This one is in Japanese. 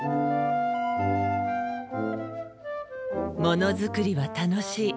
もの作りは楽しい。